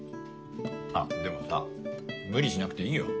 あでもさ無理しなくていいよ。